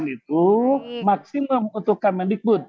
dua puluh itu maksimum untuk kementerian pendidikan